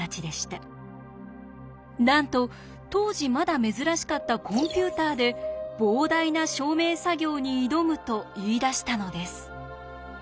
なんと当時まだ珍しかったコンピューターで膨大な証明作業に挑むと言いだしたのです。